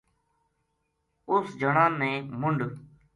اُس جناں نے منڈھ